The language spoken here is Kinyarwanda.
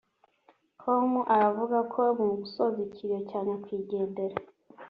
com aravuga ko mu gusoza ikiriyo cya nyakwigendera